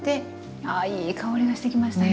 あいい香りがしてきましたね。